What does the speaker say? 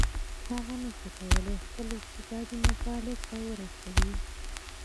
هغه نشي کولای خپل استعدادونه فعلیت ته ورسوي.